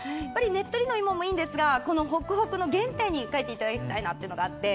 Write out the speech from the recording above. ねっとりの芋もいいんですがホクホクの原点に帰っていただきたいなというのがあって。